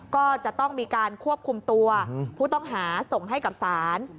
ก็จะต้องมีการควบคุมตัวผู้ต้องหาส่งให้กับศาล